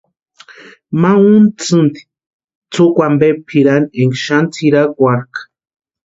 Ma untasïnti tsukwa ampe pʼirani énka xani tsʼirakwarhikʼa.